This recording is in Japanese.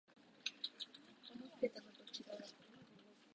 思ってたのとちがう